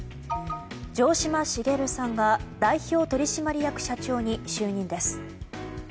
城島茂さんが代表取締役社長に就任です。